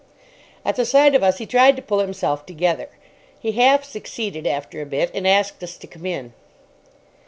At the sight of us he tried to pull himself together. He half succeeded after a bit, and asked us to come in.